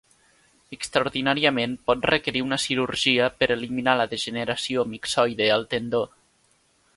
Extraordinàriament pot requerir una cirurgia per eliminar la degeneració mixoide al tendó.